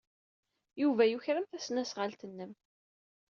Yuba yuker-am tasnasɣalt-nnem.